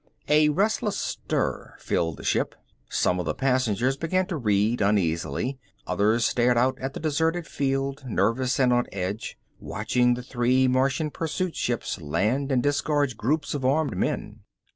A restless stir filled the ship. Some of the passengers began to read uneasily, others stared out at the deserted field, nervous and on edge, watching the three Martian pursuit ships land and disgorge groups of armed men.